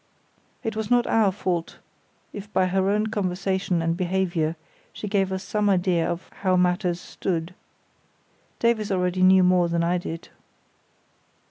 It was not our fault if by her own conversation and behaviour she gave us some idea of how matters stood. Davies already knew more than I did.